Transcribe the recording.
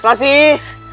selasi dimana nak